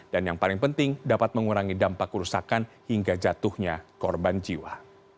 dan yang paling penting dapat mengurangi dampak kerusakan hingga jatuhnya korban jiwa